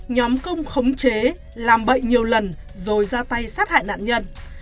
nhóm công khống chế làm bậy nhiều lần rồi ra tay sát hại nạn nhân